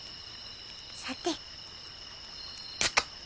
さて。